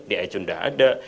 di itunes udah ada